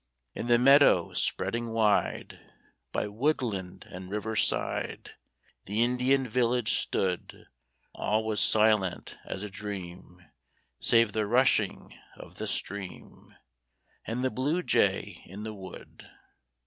In the meadow, spreading wide By woodland and river side The Indian village stood; All was silent as a dream, Save the rushing of the stream And the blue jay in the wood.